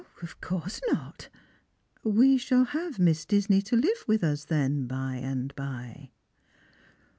" Of course not. We shall have Miss Disney to live with us, then, by and by?"